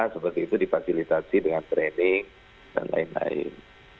seperti itu difasilitasi dengan training dan lain lain